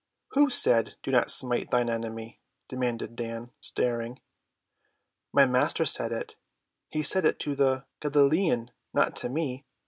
"Who said 'Do not smite thine enemy'?" demanded Dan, staring. "My Master said it. He said it to the Galilean, not to me.